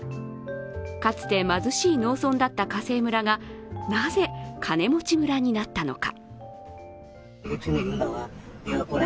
かつて貧しい農村だった華西村がなぜ金持ち村になったのか。